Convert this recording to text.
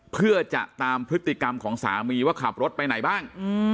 เพื่อจะตามพฤติกรรมของสามีว่าขับรถไปไหนบ้าง